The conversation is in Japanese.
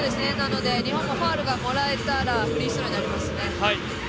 日本もファウルがもらえたらフリースローになりますね。